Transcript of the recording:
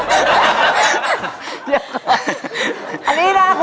ต้นไม้ประจำจังหวัดระยองการครับ